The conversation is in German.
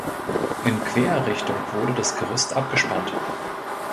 In Querrichtung wurde das Gerüst abgespannt.